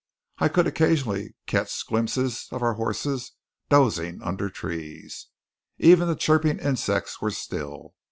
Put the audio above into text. I could occasionally catch glimpses of our horses dozing under trees. Even the chirping insects were still.